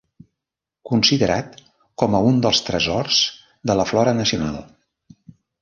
Considerat com a un dels tresors de la flora nacional.